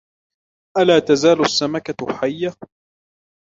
ألا تزال السمكة حية ؟